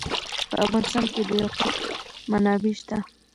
په افغانستان کې د یاقوت منابع شته.